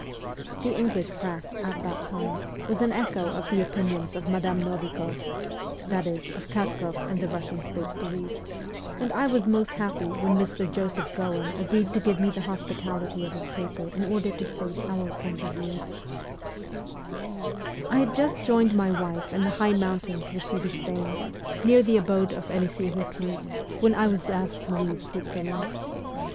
The English press, at that time, was an echo of the opinions of Madame Novik6ff that is, of Katk6ff and the Russian state police and I was most happy when Mr. Joseph Cowen agreed to give me the hospitality of his paper in order to state our point of view. WESTERN EUROPE 249 I had just joined my wife in the high mountains where she was staying, near the abode of Elisee Keclus, when I was asked to leave Switzerland.